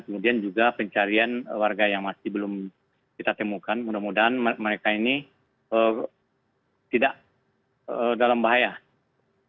kemudian juga pencarian warga yang masih belum kita temukan mudah mudahan mereka ini tidak dalam bahaya